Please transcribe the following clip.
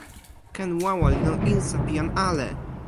ken wawa li lon insa pi jan ale.